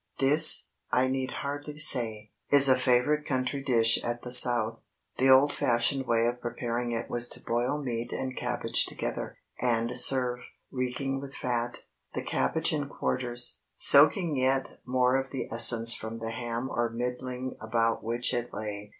This, I need hardly say, is a favorite country dish at the South. The old fashioned way of preparing it was to boil meat and cabbage together, and serve, reeking with fat, the cabbage in quarters, soaking yet more of the essence from the ham or middling about which it lay.